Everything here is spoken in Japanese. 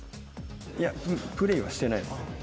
いや、プレイはしてないです。